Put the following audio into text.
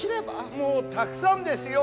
もうたくさんですよ。